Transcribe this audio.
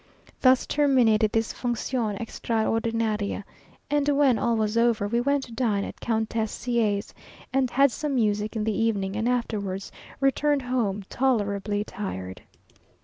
Thus terminated this "función extraordinaria;" and when all was over, we went to dine at Countess C a's; had some music in the evening, and afterwards returned home tolerably tired.